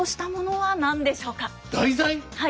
はい。